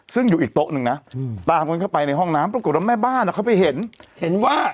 ซึ่งอยู่อีกโต๊ะหนึ่งนะตามกันเข้าไปในห้องน้ำปรากฏว่าแม่บ้านเขาไปเห็นเห็นว่า